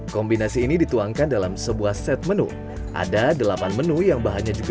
kombinasi ini dituangkan dalam sebuah set menu ada delapan menu yang bahannya juga